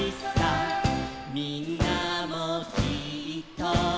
「みんなもきっと」